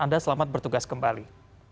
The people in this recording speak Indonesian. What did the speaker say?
anda selamat bertugas kembali